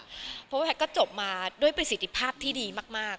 เพราะว่าแพทย์ก็จบมาด้วยประสิทธิภาพที่ดีมาก